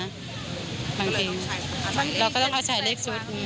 บางทีเราก็ต้องเอาใช้เลขซุทธิ์